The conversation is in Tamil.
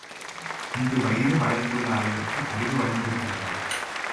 இங்கு வயிறு வளர்ந்துள்ள அளவிற்கு அறிவு வளர்ந்திருக்கிறதா?